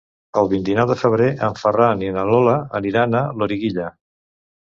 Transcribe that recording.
El vint-i-nou de febrer en Ferran i na Lola aniran a Loriguilla.